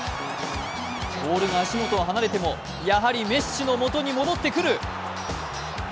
ボールが足元を離れてもやはりメッシの元に戻ってくる。